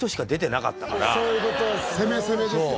攻め攻めですよ。